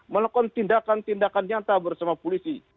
melakukan tindakan tindakan nyata bersama polisi